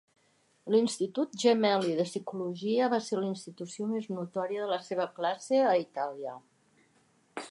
L'Institut Gemelli de Psicologia va ser la institució més notòria de la seva classe a Itàlia.